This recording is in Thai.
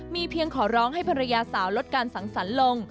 มีเพียงขอร้องให้ภรรยาสาวลดการสังสรรค์ลง